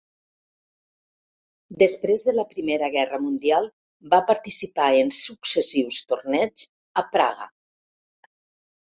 Després de la Primera Guerra Mundial va participar en successius torneigs a Praga.